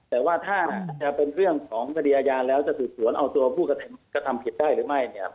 แต่ว่าถ้าจะเป็นเรื่องของคดีอาญาแล้วจะสืบสวนเอาตัวผู้กระทำผิดได้หรือไม่เนี่ย